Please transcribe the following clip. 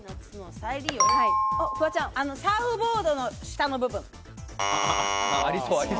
サーフボードの下の部分。